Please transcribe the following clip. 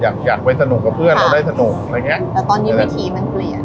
อยากอยากไปสนุกกับเพื่อนเราได้สนุกอะไรอย่างเงี้ยแต่ตอนนี้วิถีมันเปลี่ยน